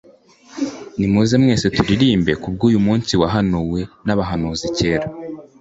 Nimuze mwese turirimbe, Kubw' uyu munsi wahanuwe N'abahanuzi kera.